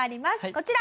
こちら！